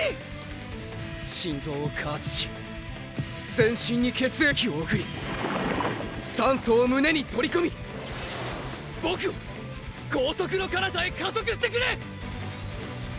心臓を加圧し全身に血液を送り酸素を胸に取り込みボクを光速の彼方へ加速してくれ！！